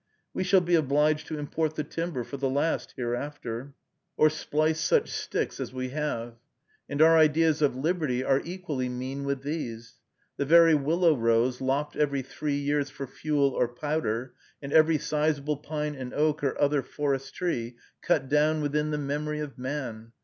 We shall be obliged to import the timber for the last, hereafter, or splice such sticks as we have. And our ideas of liberty are equally mean with these. The very willow rows lopped every three years for fuel or powder, and every sizable pine and oak, or other forest tree, cut down within the memory of man!